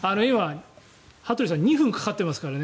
羽鳥さん２分かかってますからね